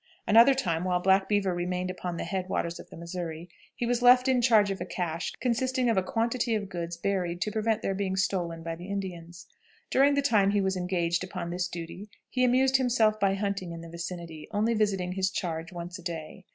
At another time, while Black Beaver remained upon the head waters of the Missouri, he was left in charge of a "caché" consisting of a quantity of goods buried to prevent their being stolen by the Indians. During the time he was engaged upon this duty he amused himself by hunting in the vicinity, only visiting his charge once a day.